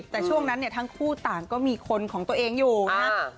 แต่ช่วงนั้นเนี่ยทั้งคู่ต่างก็มีคนของตัวเองอยู่นะครับ